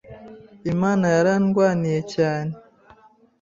Imana yarandwaniriye cyane.